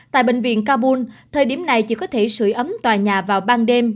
tại bệnh viện kabul thời điểm này chỉ có thể sửa ấm tòa nhà vào ban đêm